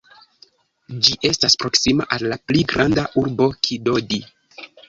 Ĝi estas proksima al la pli granda urbo Kidodi.